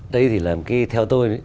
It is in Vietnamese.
đây thì là một cái theo tôi